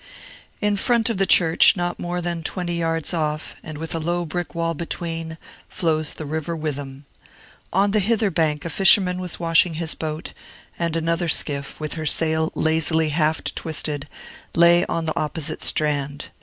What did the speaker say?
In front of the church, not more than twenty yards off, and with a low brick wall between, flows the river Witham. On the hither bank a fisherman was washing his boat; and another skiff, with her sail lazily half twisted, lay on the opposite strand.